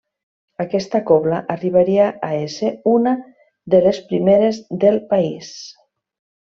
Aquesta cobla arribaria a ésser una de les primeres del país.